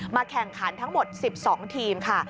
แข่งขันทั้งหมด๑๒ทีมค่ะ